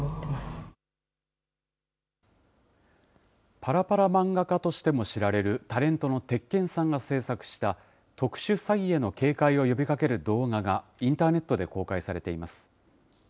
パラパラ漫画家としても知られるタレントの鉄拳さんが制作した、特殊詐欺への警戒を呼びかける動画が、インターネットで公開